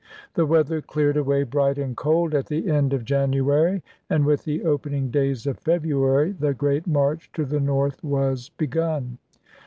The weather cleared away bright and cold at the end of 1865. January, and with the opening days of February the great march to the North was begun.